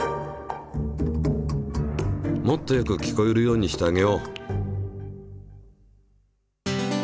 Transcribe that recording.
もっとよく聞こえるようにしてあげよう！